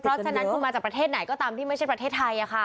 เพราะฉะนั้นคุณมาจากประเทศไหนก็ตามที่ไม่ใช่ประเทศไทย